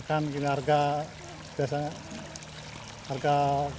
tapi di bawah tidak bisa diandalkan